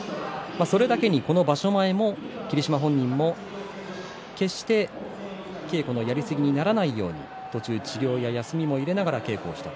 それだけに、この場所前も霧島本人も決して稽古のやりすぎにならないように途中、治療や休みも入れながら稽古をした。